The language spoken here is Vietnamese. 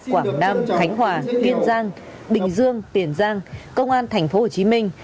quảng nam khánh hòa kiên giang bình dương tiền giang công an thành phố hồ chí minh